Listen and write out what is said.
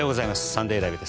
「サンデーＬＩＶＥ！！」